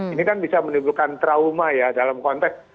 ini kan bisa menimbulkan trauma ya dalam konteks